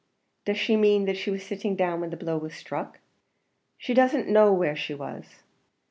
"Does she mean that she was sitting down when the blow was struck?" "She doesn't know where she was."